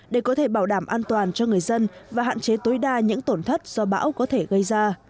để có thể bảo đảm an toàn cho người dân và hạn chế tối đa những tổn thất do bão có thể gây ra